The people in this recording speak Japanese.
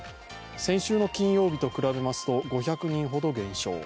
先週の金曜日と比べますと５００人ほど減少。